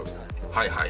はいはい。